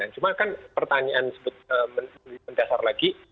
cuma kan pertanyaan lebih mendasar lagi